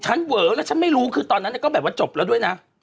เวอแล้วฉันไม่รู้คือตอนนั้นก็แบบว่าจบแล้วด้วยนะ